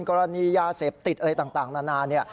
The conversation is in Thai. กรณียาเสพติดอะไรต่างนาน